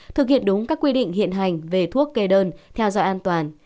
thực hiện đúng các quy định hiện hành về thuốc kê đơn theo dõi an toàn